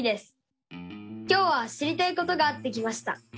今日は知りたいことがあって来ました。